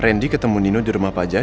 randy ketemu nino di rumah pak jajah